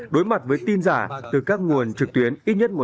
đối mặt với tin giả từ các nguồn tài năng của các nhà mạng lớn và các nhà mạng lớn